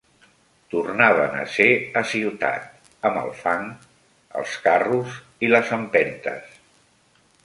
Tornaven a ser a ciutat, amb el fang, els carros i les empentes.